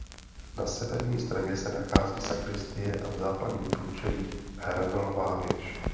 Na severní straně se nachází sakristie a v západním průčelí hranolová věž.